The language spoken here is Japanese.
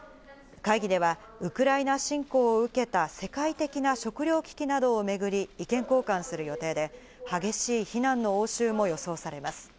会議ではウクライナ侵攻を受けた世界的な食料危機などをめぐり、意見交換する予定で、激しい非難の応酬も予想されます。